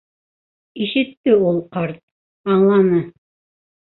Ишетте ул ҡарт, аңланы.